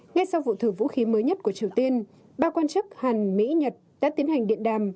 ngay sau vụ thử vũ khí mới nhất của triều tiên ba quan chức hàn mỹ nhật đã tiến hành điện đàm